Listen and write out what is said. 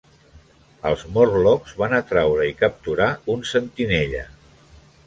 Els Morlocks van atraure i capturar un sentinella.